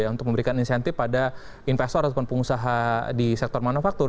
untuk memberikan insentif pada investor ataupun pengusaha di sektor manufaktur